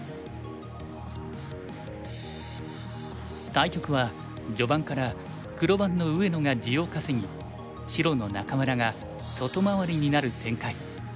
対局は序盤から黒番の上野が地を稼ぎ白の仲邑が外回りになる展開。